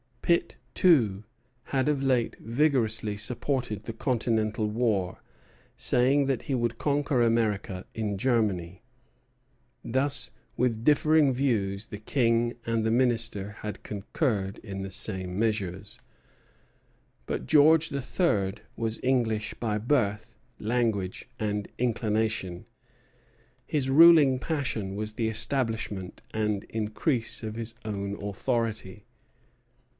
Pitt, too, had of late vigorously supported the Continental war, saying that he would conquer America in Germany. Thus with different views the King and the Minister had concurred in the same measures. But George III. was English by birth, language, and inclination. His ruling passion was the establishment and increase of his own authority.